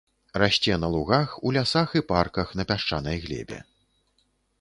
Расце на лугах, у лясах і парках на пясчанай глебе.